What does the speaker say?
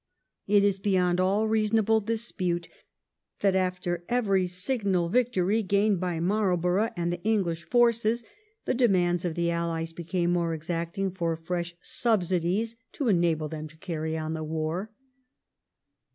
It is beyond all reasonable dispute that after every signal victory gained by Marlborough and the Enghsh forces, the demands of the Allies became more exacting for fresh subsidies to enable them to carry on the war.